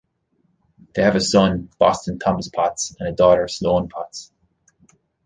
They have a son, Boston Thomas Potts and a daughter, Sloane Potts.